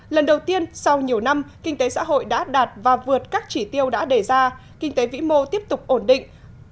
lần đầu tiên sau nhiều năm kinh tế xã hội đã đạt và vượt các chỉ tiêu đã đề ra kinh tế vĩ mô tiếp tục ổn định